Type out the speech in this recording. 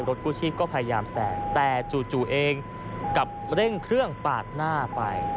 กู้ชีพก็พยายามแซงแต่จู่เองกลับเร่งเครื่องปาดหน้าไป